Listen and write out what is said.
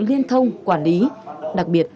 liên thông quản lý đặc biệt